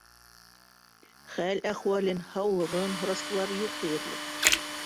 Хәл-әхүәлен, һаулығын һорашыусылар юҡ тиерлек.